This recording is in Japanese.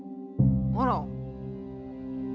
あら！